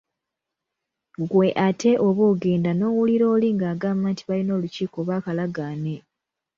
Ggwe ate oba ogenda n’owulira oli ng’agamba nti balina olukiiko oba akalagaane